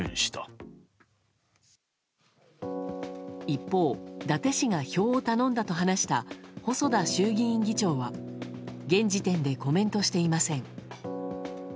一方、伊達氏が票を頼んだと話した細田衆議院議長は現時点でコメントしていません。